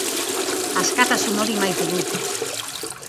Askatasun hori maite dut.